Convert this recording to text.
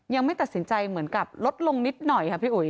ยังไม่ตัดสินใจเหมือนกับลดลงนิดหน่อยค่ะพี่อุ๋ย